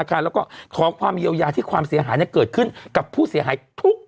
ค่ะแล้วก็คอเยาติความเสี่ยหายเกิดขึ้นกับผู้เสียหายทุก